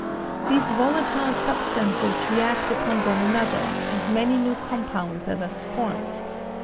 These volatile substances react upon one another, and many new compounds are thus formed.